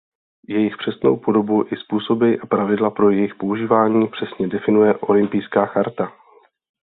Jejich přesnou podobu i způsoby a pravidla pro jejich používání přesně definuje Olympijská charta.